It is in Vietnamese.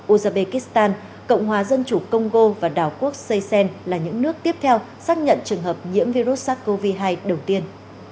uzbekistan cộng hòa dân chủ công gô và đảo quốc seysen là những nước tiếp theo xác nhận trường hợp nhiễm virus sars cov hai đầu tiên